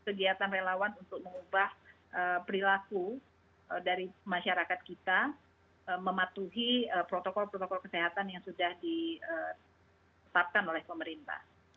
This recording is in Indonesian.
kegiatan relawan untuk mengubah perilaku dari masyarakat kita mematuhi protokol protokol kesehatan yang sudah ditetapkan oleh pemerintah